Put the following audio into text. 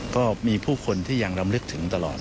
ก็มีผู้คนที่ยังรำลึกถึงตลอด